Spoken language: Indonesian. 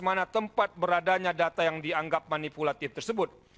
di mana tempat beradanya data yang dianggap manipulatif tersebut